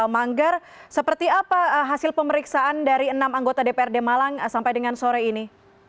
manggar seperti apa hasil pemeriksaan dari enam anggota dprd malang sampai dengan sore ini